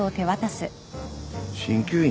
鍼灸院？